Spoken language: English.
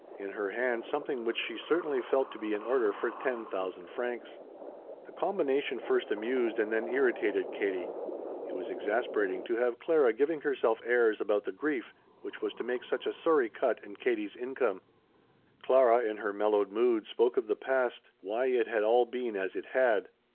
In her hand something which she certainly felt to be an order for ten thousand francs. The combination first amused and then irritated Katie. It was exasperating to have Clara giving herself airs about the grief which was to make such a sorry cut in Katie's income. Clara, in her mellowed mood, spoke of the past, why it had all been as it had.